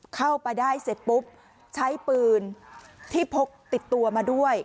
เข้าไปได้เสร็จปุ๊บใช้ปืนที่พกติดตัวมาด้วย